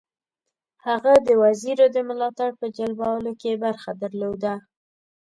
هغه د وزیرو د ملاتړ په جلبولو کې برخه درلوده.